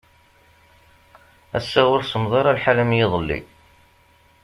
Assa ur semmeḍ ara lḥal am yiḍelli.